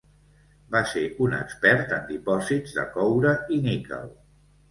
Va ser un expert en dipòsits de coure i níquel.